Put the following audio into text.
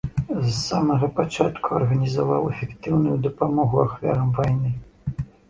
З самага пачатку арганізаваў эфектыўную дапамогу ахвярам вайны.